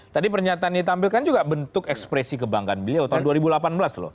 tadi pernyataannya tampilkan juga bentuk ekspresi kebanggaan beliau tahun dua ribu delapan belas loh